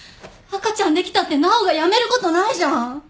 赤ちゃんできたって奈央が辞めることないじゃん！